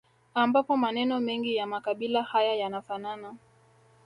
Ambapo maneno mengi ya makabila haya yanafanana